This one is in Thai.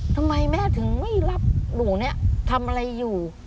ทำไมแม่ถึงไม่รับหนูเนี่ยทำอะไรอยู่